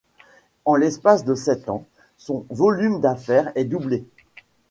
En l'espace de sept ans, son volume d'affaires est doublé.